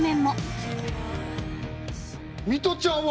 ミトちゃんは？